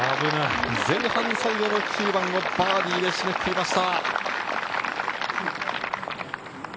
前半最後の９番、バーディーで締めくくりました。